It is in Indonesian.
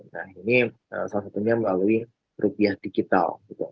nah ini salah satunya melalui rupiah digital